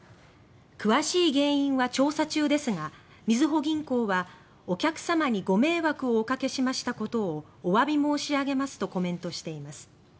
詳しい原因は調査中ですがみずほ銀行は「お客さまにご迷惑をおかけしましたことをお詫び申しあげます」とコメントしています。